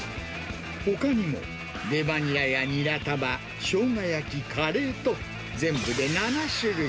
ほかにもレバニラやニラ玉、しょうが焼き、カレーと、全部で７種類。